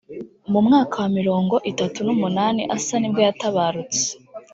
mu mwaka wa mirongo itatu n’umunani asa nibwo yatabarutse